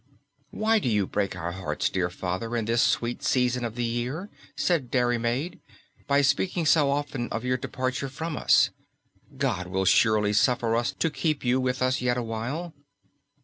"Why do you break our hearts, dear Father, in this sweet season of the year," said Diarmaid, "by speaking so often of your departure from us? God will surely suffer us to keep you with us yet awhile."